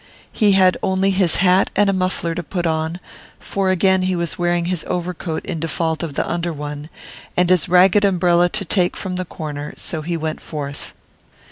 He had only his hat and a muffler to put on, for again he was wearing his overcoat in default of the under one, and his ragged umbrella to take from the corner; so he went forth.